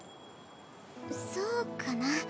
そうかな。